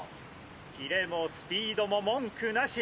キレもスピードも文句なし！